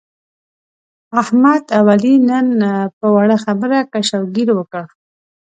احمد او علي نن په وړه خبره کش او ګیر وکړ.